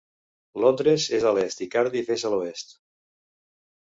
Londres és a l"est i Cardiff és a l"oest.